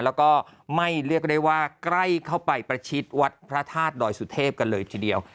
แล้วก็ไม่เรียกได้ว่าใกล้เข้าไปประชิดวัดพระธาตุดอยสุเทพกันเลยทีเดียว